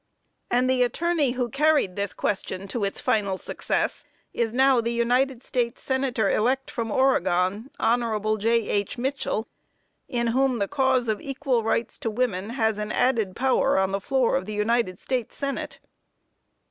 And the attorney, who carried this question to its final success, is now the United States senator elect from Oregon, Hon. J.H. Mitchell, in whom the cause of equal rights to women has an added power on the floor of the United States Senate.